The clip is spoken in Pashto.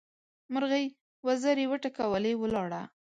مرغۍ وزرې وټکولې؛ ولاړه.